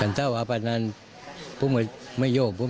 พระเจ้าว่าอยากให้ตอนนั้นอยากเป็นผู้ปกป้า